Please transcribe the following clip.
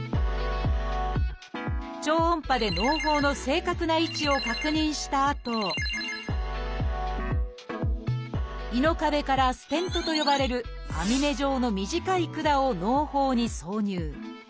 超音波でのう胞の正確な位置を確認したあと胃の壁から「ステント」と呼ばれる網目状の短い管をのう胞に挿入。